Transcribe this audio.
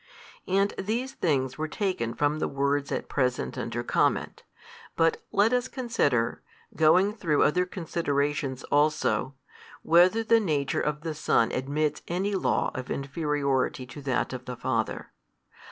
And these things were taken from the words at present under comment. But let us consider, going through other considerations also, whether the Nature of the Son admits any law of inferiority to that of the Father.